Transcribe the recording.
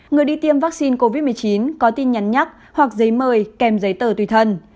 người đi tiêm vaccine covid một mươi chín có tin nhắn nhắc hoặc giấy mời kèm giấy tờ tùy thân